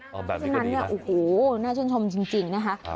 อ๋อแบบนี้กว่านี้นะนั่นเนี่ยโอ้โหน่าช่างชมจริงนะคะ